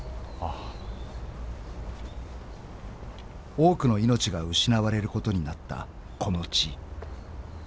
［多くの命が失われることになったこの地］